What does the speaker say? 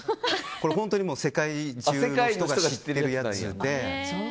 これは世界中の人が知ってるやつで。